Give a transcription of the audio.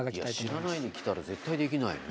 知らないで来たら絶対できないよね。